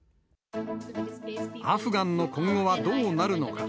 アフガンの今後はどうなるのか。